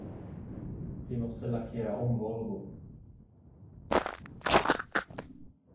Vi måste lackera om volvon.